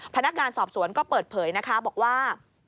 พนักงานสอบสวนก็เปิดเผยนะคะบอกว่า